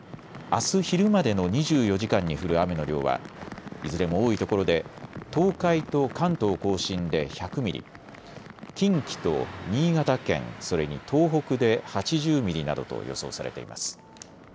あす昼までの２４時間に降る雨の量はいずれも多いところで東海と関東甲信で１００ミリ、近畿と新潟県、それに東北で８０ミリなどと予想されています。